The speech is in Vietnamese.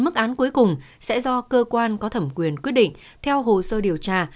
mức án cuối cùng sẽ do cơ quan có thẩm quyền quyết định theo hồ sơ điều tra